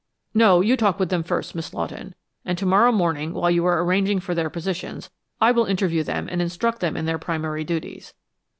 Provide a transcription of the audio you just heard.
"No, you talk with them first, Miss Lawton, and to morrow morning while you are arranging for their positions I will interview them and instruct them in their primary duties.